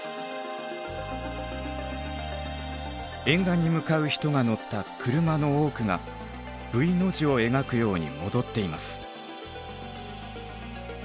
沿岸に向かう人が乗った車の多くがＶの字を描くように戻っています。